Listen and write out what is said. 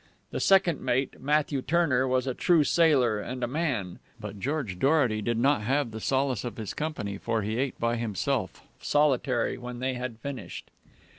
The second mate, Matthew Turner, was a true sailor and a man, but George Dorety did not have the solace of his company, for he ate by himself, solitary, when they had finished.